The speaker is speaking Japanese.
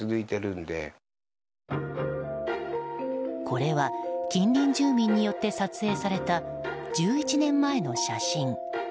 これは近隣住民によって撮影された、１１年前の写真。